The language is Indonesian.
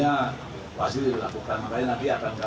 dia pakai persiapan tidak sih pak